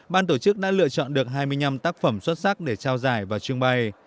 ban tổ chức đã lựa chọn được hai mươi năm tác phẩm xuất sắc để trao giải và trưng bày